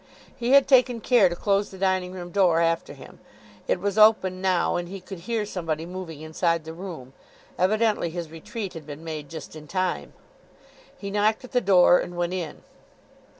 He had taken care to close the dining room door after him. It was open now, and he could hear somebody moving inside the room. Evidently his retreat had been made just in time. He knocked at the door, and went in.